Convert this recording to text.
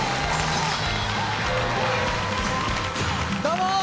どうもー！